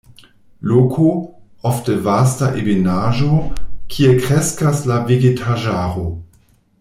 Loko, ofte vasta ebenaĵo, kie kreskas la vegetaĵaro.